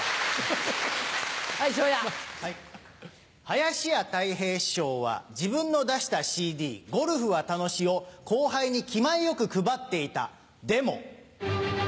林家たい平師匠は自分の出したＣＤ『ゴルフは楽し』を後輩に気前よく配っていたでも。